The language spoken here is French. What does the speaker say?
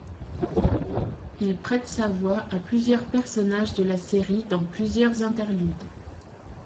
Il prête sa voix à plusieurs personnages de la série dans plusieurs interludes.